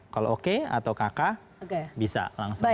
kalau oke atau kakak bisa langsung